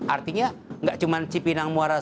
artinya tidak cuma cipinang muara itu